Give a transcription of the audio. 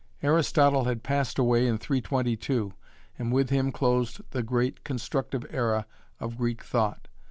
Aristotle had passed away in 322, and with him closed the great constructive era of Greek thought.